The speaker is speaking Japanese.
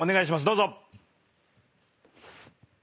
どうぞ。